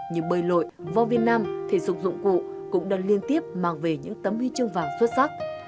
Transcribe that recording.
như bơi lội vo viên nam thể dục dụng cụ cũng đang liên tiếp mang về những tấm huy chương vàng xuất sắc